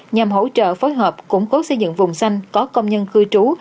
nhằm hỗ trợ phối hợp củng cố xây dựng vùng xanh có công nhân cư trú